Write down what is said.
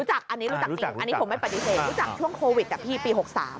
รู้จักอันนี้รู้จักจริงผมไม่ปฏิเสธรู้จักช่วงโควิดกับพี่ปี๑๙๖๓